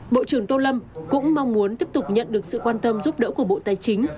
bộ trưởng tô lâm cũng mong muốn tiếp tục nhận được sự quan tâm giúp đỡ của bộ tài chính